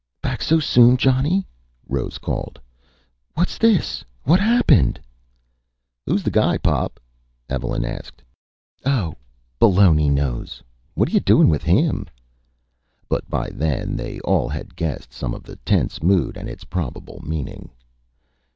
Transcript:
"Back so soon, Johnny?" Rose called. "What's this? What happened?" "Who's the guy, Pop?" Evelyn asked. "Oh Baloney Nose.... What are you doing with him?" But by then they all had guessed some of the tense mood, and its probable meaning.